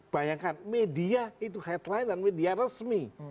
bayangkan media itu headline dan media resmi